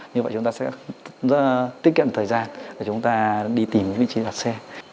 như vậy chúng ta sẽ tiết kiệm thời gian để chúng ta đi tìm vị trí đặt xe